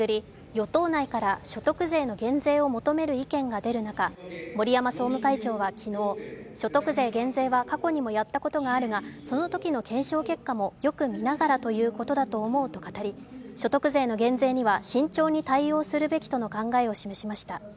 与党内から所得税の減税を求める意見が出る中、森山総務会長は昨日、所得税減税は過去にもやったことがあるが、そのときの検証結果もよく見ながらということだと思うと語り、所得税の減税には慎重に対応するべきとの考えを示しました。